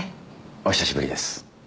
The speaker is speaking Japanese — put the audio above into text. お久しぶりです。